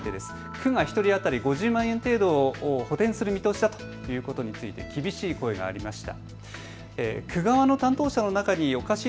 区が１人当たり５０万円程度を補填する見通しだということについて厳しい声もありました。